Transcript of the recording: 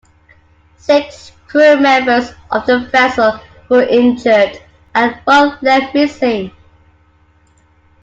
Six crew members of the vessel were injured and one left missing.